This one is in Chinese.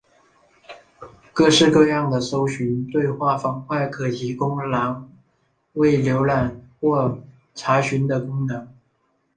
各式各样的搜寻对话方块可提供栏位浏览或查询的功能。